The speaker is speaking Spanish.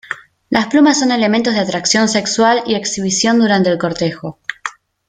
Las plumas son elementos de atracción sexual y exhibición durante el cortejo.